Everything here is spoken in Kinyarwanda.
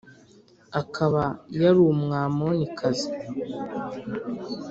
Akaba yari Umwamonikazi .